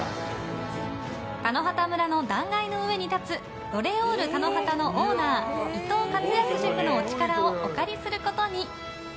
田野畑村の断崖の上に立つロレオール田野畑のオーナー伊藤勝康シェフのお力をお借りすることに。